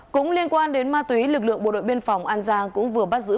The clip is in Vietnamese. cũng liên quan đến ma túy lực lượng bộ đội biên phòng an giang cũng vừa bắt giữ